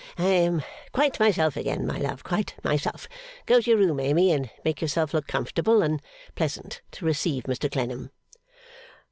I am quite myself again, my love, quite myself. Go to your room, Amy, and make yourself look comfortable and pleasant to receive Mr Clennam.